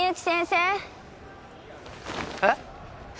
えっ！？